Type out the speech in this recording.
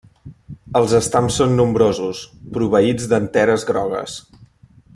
Els estams són nombrosos, proveïts d'anteres grogues.